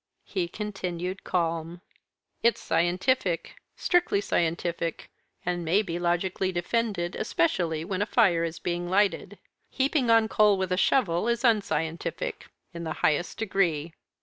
He continued calm. "It's scientific, strictly scientific; and may be logically defended, especially when a fire is being lighted. Heaping on coal with a shovel is unscientific in the highest degree."